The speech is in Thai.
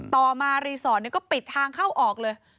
ต่อมารีสอร์ทก็ปิดทางเข้าออกเลย